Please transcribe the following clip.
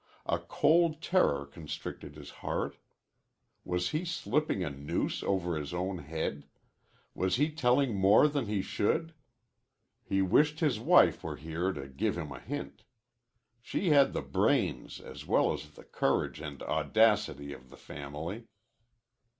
A cold terror constricted his heart. Was he slipping a noose over his own head? Was he telling more than he should? He wished his wife were here to give him a hint. She had the brains as well as the courage and audacity of the family.